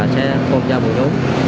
sẽ phục vụ cho bụi đố